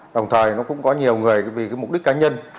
đồng thời nó cũng có nhiều người vì cái mục đích cá nhân